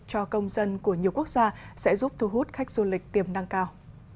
cho công dân của nhiều quốc gia sẽ giúp thu hút khách du lịch tiềm năng cao